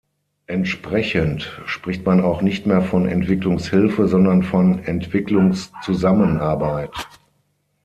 Entsprechend spricht man auch nicht mehr von „Entwicklungshilfe“, sondern von „Entwicklungszusammenarbeit“.